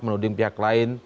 menuding pihak lain